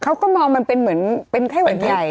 เขาก็มองมันเป็นแหวนใหญ่